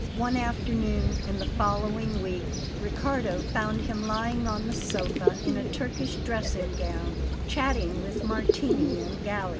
One afternoon in the following week Riccardo found him lying on the sofa in a Turkish dressing gown, chatting with Martini and Galli.